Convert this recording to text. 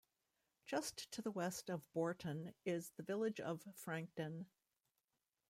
Just to the west of Bourton is the village of Frankton.